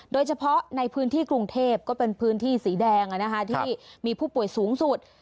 โดยเฉพาะในพื้นที่กรุงเทพก็เป็นพื้นที่สีแดงที่มีผู้ป่วยสูงสุด